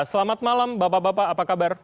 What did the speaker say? selamat malam bapak bapak apa kabar